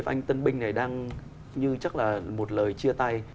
anh tân binh này đang như chắc là một lời chia tay